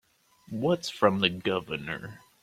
What's from the Governor?